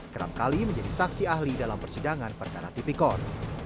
kerap kali menjadi saksi ahli dalam persidangan perkara tipikor